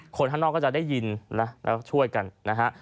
คนข้างนอกก็จะได้ยินนะแล้วช่วยกันนะฮะ